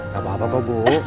gak apa apa bu